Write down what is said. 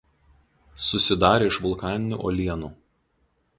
Susidarę iš vulkaninių uolienų.